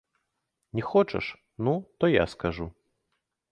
Не хочаш, ну, то я скажу.